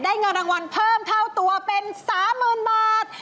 เงินรางวัลเพิ่มเท่าตัวเป็น๓๐๐๐บาท